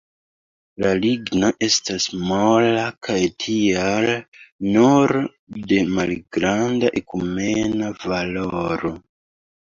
La ligno estas mola kaj tial nur de malgranda ekumena valoro.